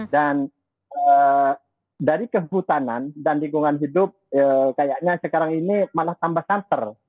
dan dari kehutanan dan lingkungan hidup kayaknya sekarang ini malah tambah santer